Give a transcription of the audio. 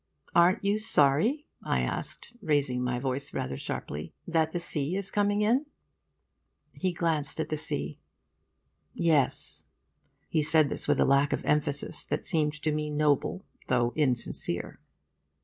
'Aren't you sorry,' I asked, raising my voice rather sharply, 'that the sea is coming in?' He glanced at the sea. 'Yes.' He said this with a lack of emphasis that seemed to me noble though insincere.